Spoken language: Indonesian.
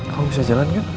kamu bisa jalan kan